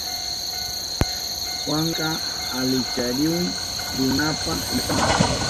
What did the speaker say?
Juanka alicharihun rinanpa llaktama.